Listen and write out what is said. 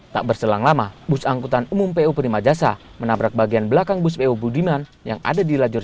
tak berselang lama bus angkutan umum pu prima jasa menabrak bagian belakang bus pu budiman yang ada di lajur